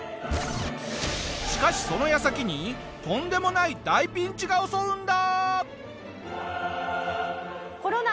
しかしその矢先にとんでもない大ピンチが襲うんだ！